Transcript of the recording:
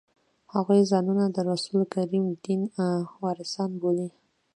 هغوی ځانونه د رسول کریم دین وارثان بولي.